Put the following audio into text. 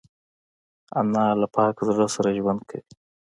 انا له پاک زړه سره ژوند کوي